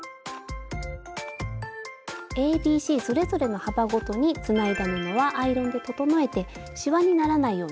ＡＢＣそれぞれの幅ごとにつないだ布はアイロンで整えてしわにならないようにね